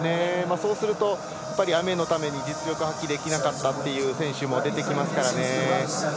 そうすると、雨のために実力を発揮できなかったっていう選手も出てきますからね。